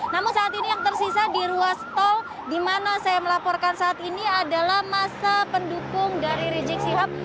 namun saat ini yang tersisa di ruas tol di mana saya melaporkan saat ini adalah masa pendukung dari rizik sihab